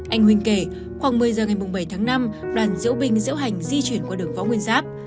anh huynh kể khoảng một mươi giờ ngày bảy tháng năm đoàn diễu binh diễu hành di chuyển qua đường võ nguyên giáp